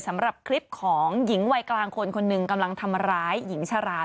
สำหรับคลิปของหญิงวัยกลางคนคนหนึ่งกำลังทำร้ายหญิงชรา